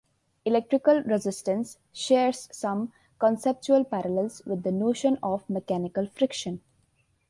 Electrical resistance shares some conceptual parallels with the notion of mechanical friction.